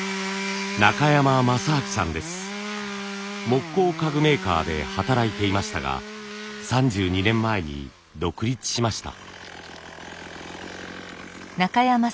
木工家具メーカーで働いていましたが３２年前に独立しました。